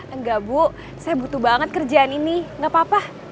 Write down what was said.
enggak bu saya butuh banget kerjaan ini gak apa apa